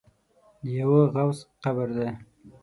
د یوه غوث قبر دی.